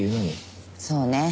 そうね。